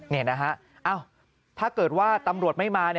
นี่นะฮะถ้าเกิดว่าตำรวจไม่มา